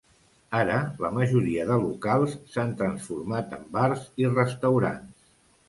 Ara la majoria de locals s’han transformat en bars i restaurants.